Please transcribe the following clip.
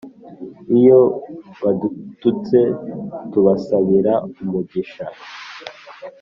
Iyo badututse tubasabira umugisha